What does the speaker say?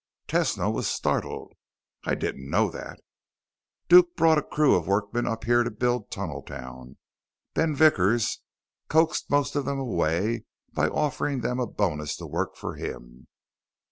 Tesno was startled. "I didn't know that." "Duke brought a crew of workmen up here to build Tunneltown. Ben Vickers coaxed most of them away by offering them a bonus to work for him.